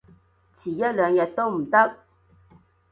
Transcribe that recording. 遲一兩日都唔得？